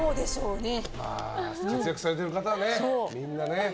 活躍されてる方はみんなね。